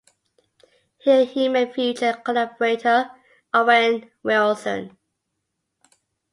Here he met future collaborator Owen Wilson.